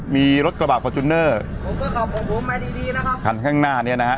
มีรถกระบาดฟอร์จุนเนอร์ขันข้างหน้านี้นะฮะ